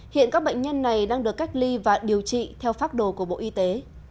hiện các bệnh nhân này đang được cách ly và điều trị theo phác đồ của bộ y tế